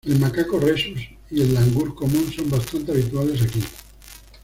El macaco Rhesus y el langur común son bastante habituales aquí.